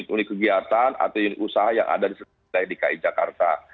unit kegiatan atau unit usaha yang ada di kpi jakarta